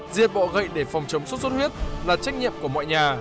diệt bọ gậy để phòng chống sốt xuất huyết là trách nhiệm của mọi nhà